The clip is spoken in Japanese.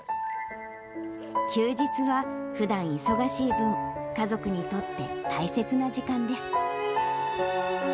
休日は、ふだん忙しい分、家族にとって大切な時間です。